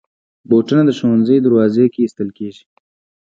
بوټونه د ښوونځي دروازې کې ایستل کېږي.